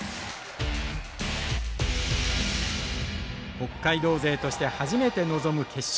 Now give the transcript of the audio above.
北海道勢として初めて臨む決勝。